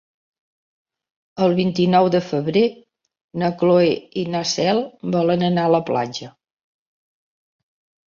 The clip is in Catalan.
El vint-i-nou de febrer na Cloè i na Cel volen anar a la platja.